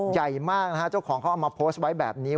ใหญ่มากนะฮะเจ้าของเขาเอามาโพสต์ไว้แบบนี้